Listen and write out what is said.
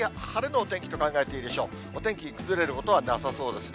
お天気崩れることはなさそうですね。